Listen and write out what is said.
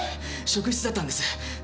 職質だったんです。